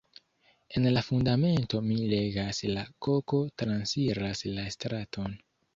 En la Fundamento mi legas "la koko transiras la straton".